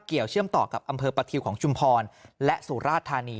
เชื่อมต่อกับอำเภอประทิวของชุมพรและสุราชธานี